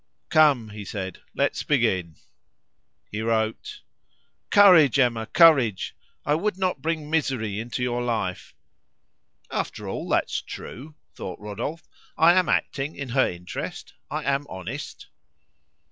"Come," said he, "let's begin." He wrote "Courage, Emma! courage! I would not bring misery into your life." "After all, that's true," thought Rodolphe. "I am acting in her interest; I am honest."